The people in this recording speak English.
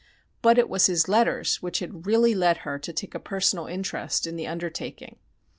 But it was his letters which had really led her to take a personal interest in the undertaking.